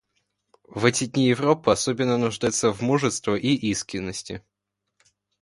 В эти дни Европа особенно нуждается в мужество и искренности.